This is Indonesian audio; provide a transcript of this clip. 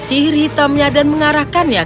sihir hitamnya dan mengarahkannya